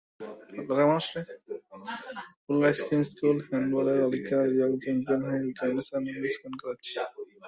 পোলার ice cream school হ্যান্ডবলের বালিকা বিভাগে চ্যাম্পিয়ন হয়েছে Viqarunnisa Noon school and college.